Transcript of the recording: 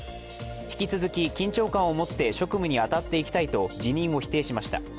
引き続き緊張感を持って職務に当たっていきたいと辞任を否定しました。